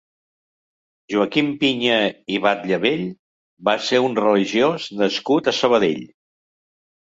Joaquim Piña i Batllevell va ser un religiós nascut a Sabadell.